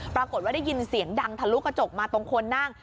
ปรากฏว่าได้ยินเสียงดังทะลุกระจกมาตรงคนนั่ง